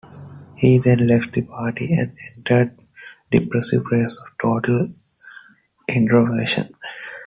He then left the party and entered a depressive phase of "total introversion".